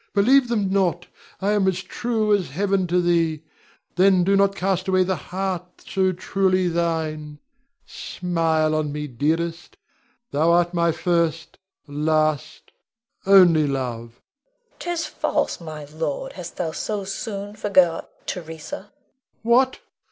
Believe them not. I am as true as Heaven to thee; then do not cast away the heart so truly thine. Smile on me, dearest; thou art my first, last, only love. Leonore. 'Tis false, my lord! Hast thou so soon forgot Theresa? Rod. What!